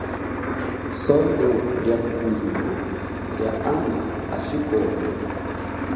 Songo lia kuhwima lia ana ashikola.